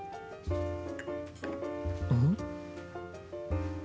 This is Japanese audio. うん？